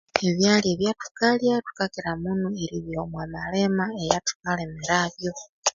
Ebyalya byathukalya thukakira munu eribiha omwa malima eyathu kalimira byu